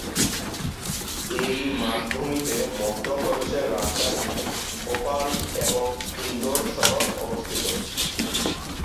এই মালভূমিতে মধ্য প্রদেশের রাজধানী ভোপাল এবং ইন্দোর শহর অবস্থিত।